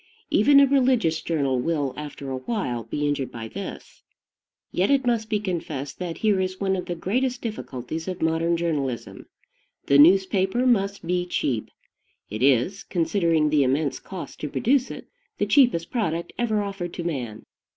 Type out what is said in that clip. Even a religious journal will, after a while, be injured by this. Yet it must be confessed that here is one of the greatest difficulties of modern journalism. The newspaper must be cheap. It is, considering the immense cost to produce it, the cheapest product ever offered to man.